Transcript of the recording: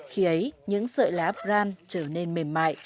khi ấy những sợi lá bran trở nên mềm mại